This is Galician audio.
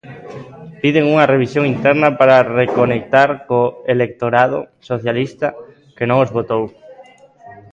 Piden unha revisión interna para reconectar co electorado socialista que non os votou.